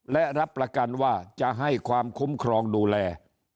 และรับประกันว่าจะให้ความคุ้มครองดูแล